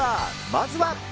まずは。